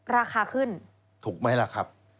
ราคาขึ้นถูกไหมล่ะครับ